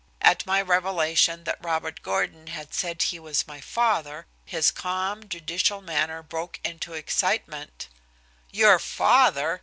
At my revelation that Robert Gordon had said he was my father, his calm, judicial manner broke into excitement. "Your father!"